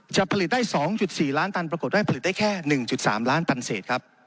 จะผลิตได้สองจุดสี่ล้านตันปรากฏว่าให้ผลิตได้แค่หนึ่งจุดสามล้านตันเศษครับ